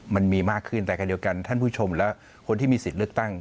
มันมีมากขึ้นแต่ขณะเดียวกันท่านผู้ชมและคนที่มีสิทธิ์เลือกตั้ง